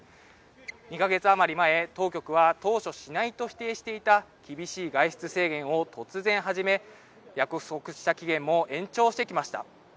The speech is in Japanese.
２か月余り前、当局は当初、しないと否定していた厳しい外出制限を突然始め約束した期限も延長してきました。